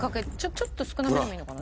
ちょっと少なめでもいいのかな？